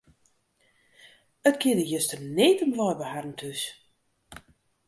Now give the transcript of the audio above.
It gie der juster need om wei by harren thús.